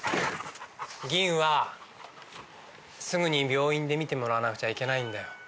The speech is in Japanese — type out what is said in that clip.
ぎんはすぐに病院で診てもらわなくちゃいけないんだよ。